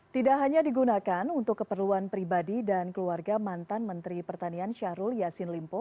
tidak hanya digunakan untuk keperluan pribadi dan keluarga mantan menteri pertanian syahrul yassin limpo